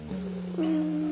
うん。